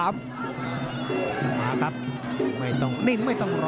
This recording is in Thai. มาครับไม่ต้องนิ่งไม่ต้องรอ